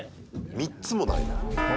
３つもないの？